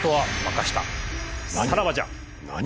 さらばじゃ。